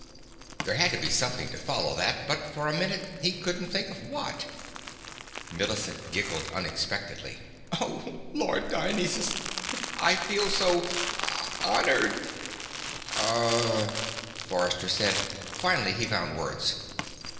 There had to be something to follow that, but for a minute he couldn't think of what. Millicent giggled unexpectedly. "Oh, Lord Dionysus! I feel so honored!" "Er," Forrester said. Finally he found words.